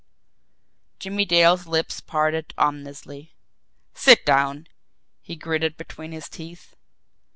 Jimmie Dale's lips parted ominously. "Sit down!" he gritted between his teeth.